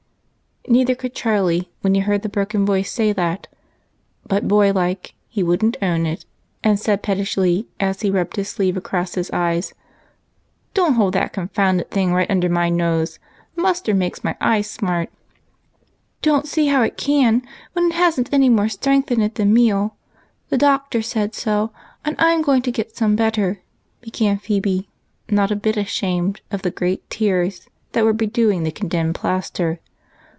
A SCARE. 249 Neither could Charlie, when he heard the broken voice say that ; but, boy like, he would n't own it, and said pettishly, as he rubbed his sleeve across his eyes, —" Don't hold that confounded thing right under my nose ; the mustard makes my eyes smart." " Don't see how it can, when it has n't any more strength in it than meal. The Doctor said so, and I 'm going to get some better," began Phebe, not a bit ashamed of the great tears that were bedewing the condemned plaster.